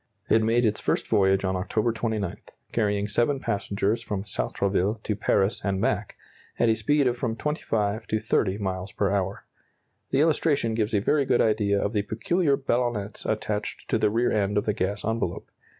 It made its first voyage on October 29, carrying seven passengers from Sartrouville to Paris and back, at a speed of from 25 to 30 miles per hour. The illustration gives a very good idea of the peculiar ballonnets attached to the rear end of the gas envelope.